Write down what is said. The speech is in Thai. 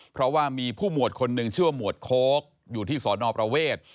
เพราะว่ามีผู้หมวดคนหนึ่งชื่อว่าหมวดโค้กอยู่ที่สอนอประเวท